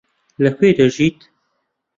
لەکوێ دژیت؟